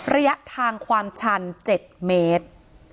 ระยะทางความชัน๗เมตร